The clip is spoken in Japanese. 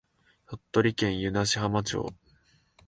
鳥取県湯梨浜町